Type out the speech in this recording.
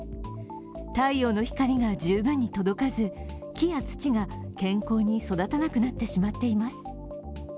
太陽の光が十分に届かず木や土が健康に育たなくなってしまっています。